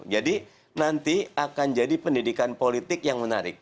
jadi nanti akan jadi pendidikan politik yang menarik